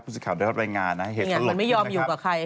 พูดสิทธิ์ข่าวได้รับรายงานนะเหตุหลงขึ้นนะครับ